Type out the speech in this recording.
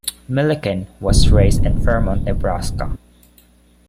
Milliken was raised in Fremont, Nebraska.